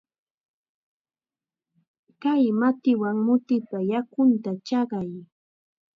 Kay matiwan mutipa yakunta chaqay.